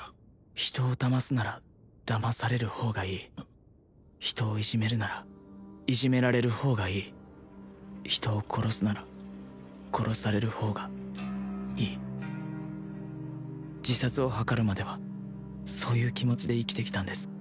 人をだますならだまされる方がいい人をいじめるならいじめられる方がいい人を殺すなら殺される方がいい自殺を図るまではそういう気持ちで生きてきたんです